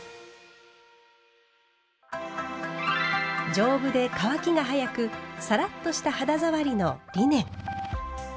丈夫で乾きが早くサラッとした肌触りのリネン。